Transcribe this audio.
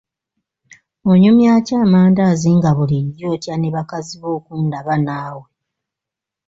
Onyumya ki amandaazi nga bulijjo otya ne bakazi bo okundaba naawe.